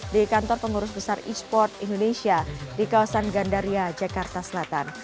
di kantor pengurus besar e sport indonesia di kawasan gandaria jakarta selatan